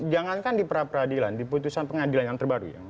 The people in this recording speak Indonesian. jangan kan di peradilan di putusan pengadilan yang terbaru